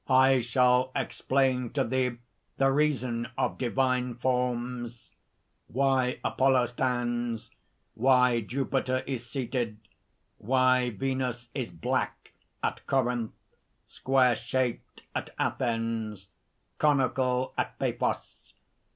"I shall explain to thee the reason of divine forms why Apollo stands, why Jupiter is seated, why Venus is black, at Corinth, square shaped at Athens, conical at Paphos."